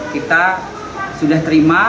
kita sudah terima